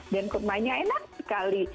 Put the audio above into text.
dan kurmanya enak sekali